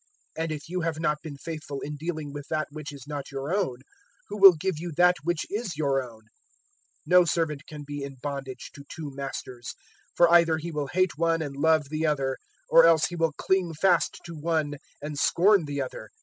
016:012 And if you have not been faithful in dealing with that which is not your own, who will give you that which is your own? 016:013 "No servant can be in bondage to two masters. For either he will hate one and love the other, or else he will cling fast to one and scorn the other.